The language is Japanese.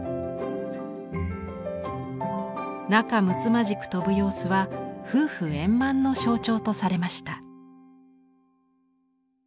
仲むつまじく飛ぶ様子は夫婦円満の象徴とされました。